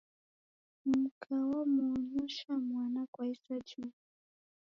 Mka wamuongosha mwana kwa isaa jimweri.